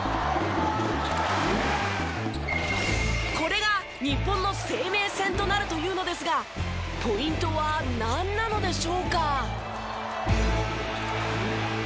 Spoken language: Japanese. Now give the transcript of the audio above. これが日本の生命線となるというのですがポイントはなんなのでしょうか？